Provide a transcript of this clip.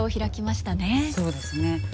そうですね。